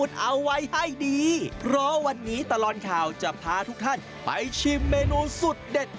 เพราะวันนี้ตลอดข่าวจะพาทุกท่านไปชิมเมนูสุดเด็ด